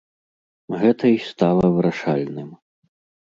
Гэта і стала вырашальным.